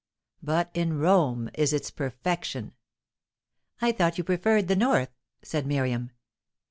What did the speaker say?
But in Rome is its perfection." "I thought you preferred the north," said Miriam.